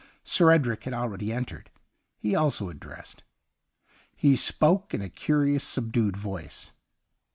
Sir Edric had already entered ; he also had dressed. He spoke in a curious, subdued voice.